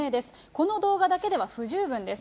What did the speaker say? この動画だけでは不十分です。